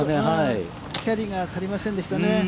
キャリーが足りませんでしたね。